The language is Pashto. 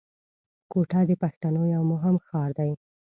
کوټه د پښتنو یو مهم ښار دی